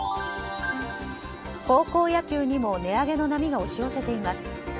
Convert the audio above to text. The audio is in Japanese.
高校野球にも値上げの波が押し寄せています。